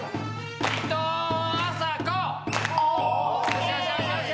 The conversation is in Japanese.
よしよしよしよし。